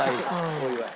お祝い。